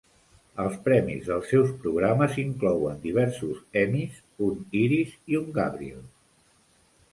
Els premis dels seus programes inclouen diversos Emmys, un Iris i un Gabriel.